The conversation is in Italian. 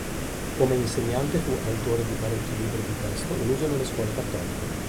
Come insegnante fu autore di parecchi libri di testo, in uso nelle scuole cattoliche.